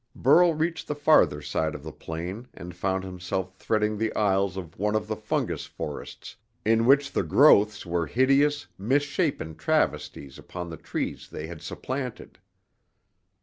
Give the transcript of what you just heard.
Burl reached the farther side of the plain and found himself threading the aisles of one of the fungus forests in which the growths were hideous, misshapen travesties upon the trees they had supplanted.